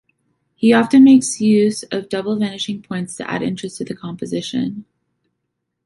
He often makes use of double vanishing points to add interest to the composition.